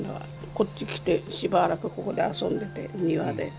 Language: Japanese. こっち来て、しばらくここで遊んでて、庭で。